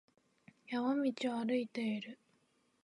山道を歩いている。